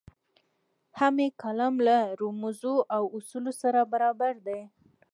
هم یې کالم له رموزو او اصولو سره برابر دی.